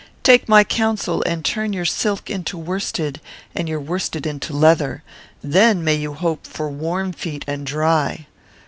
Take my counsel, and turn your silk to worsted and your worsted to leather. Then may you hope for warm feet and dry.